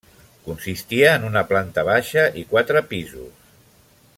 Consistia en una planta baixa i quatre pisos.